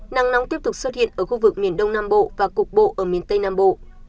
nắng nóng tiếp tục xuất hiện ở khu vực miền đông nam bộ và cục bộ ở miền tây nam bộ